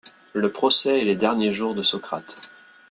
Le procès et les derniers jours de Socrate.